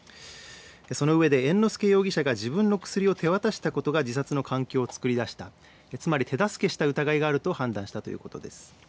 そのうえで猿之助容疑者が自分の薬を手渡したことが自殺の環境を作り出した、つまり手助けした疑いがあると判断したということです。